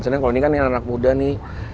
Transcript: sebenarnya kalau ini kan anak muda nih